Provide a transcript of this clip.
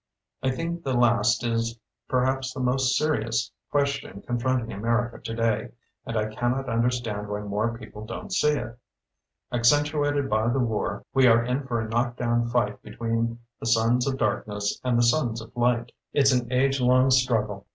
I think the last is perhaps the most serious ques tion confronting America today, and I cannot understand why more people don't see it. Accentuated by the war, we are in for a knock down fight be tween the sons of darkness and the sons of light. It's an age long strug gle.